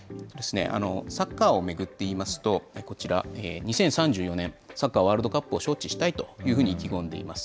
サッカーを巡って言いますと、こちら、２０３４年、サッカーワールドカップを招致したいというふうに意気込んでいます。